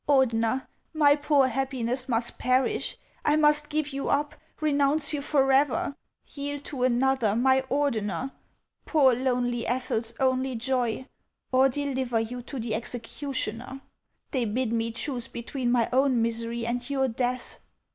Ordener, my poor happiness must perish ; I must give you up, renounce you forever ; yield to another my Ordener, poor tlonely Ethel's only joy, or deliver you to the executioner. They bid me choose between my own misery and your death.